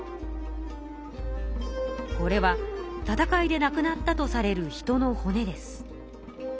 これは戦いでなくなったとされる人の骨です。